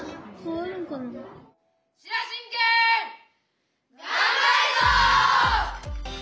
しらしんけんがんばるぞ！